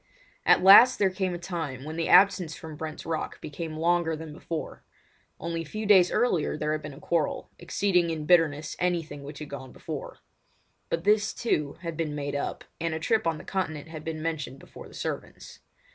At last there came a time when the absence from Brent's Rock became longer than before. Only a few days earlier there had been a quarrel, exceeding in bitterness anything which had gone before; but this, too, had been made up, and a trip on the Continent had been mentioned before the servants.